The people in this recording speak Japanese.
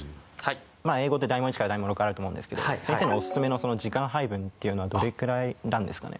英語って大問１から大問６あると思うんですけど先生のオススメの時間配分っていうのはどれくらいなんですかね？